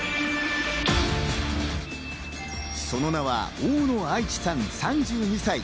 その名は大野愛地さん３２歳。